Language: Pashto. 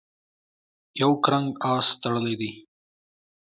یو کرنګ آس تړلی دی.